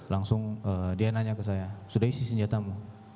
langsung dia nanya ke saya sudah isi senjatamu